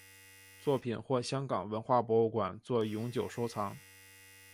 作品获香港文化博物馆作永久收藏。